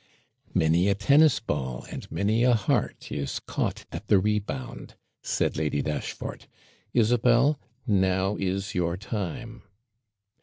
'Many a tennis ball, and many a heart is caught at the rebound,' said Lady Dashfort. 'Isabel! now is your time!'